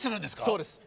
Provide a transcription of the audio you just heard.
そうです。